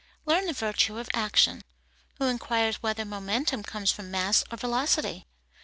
Learn the virtue of action. Who inquires whether momentum comes from mass or velocity?